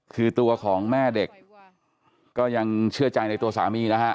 คือตัวของแม่เด็กก็ยังเชื่อใจในตัวสามีนะฮะ